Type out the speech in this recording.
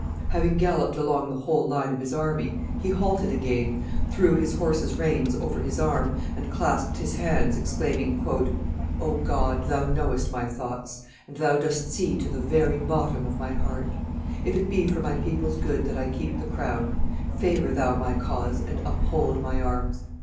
30] Having galloped along the whole line of his army, he halted again, threw his horse's reins over his arm, and clasped his hands, exclaiming, "O God, Thou knowest my thoughts, and Thou dost see to the very bottom of my heart; if it be for my people's good that I keep the crown, favor Thou my cause and uphold my arms.